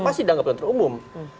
pasti dianggap pemberitahuan umum